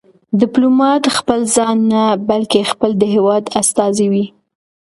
ډيپلومات خپل ځان نه، بلکې خپل د هېواد استازی وي.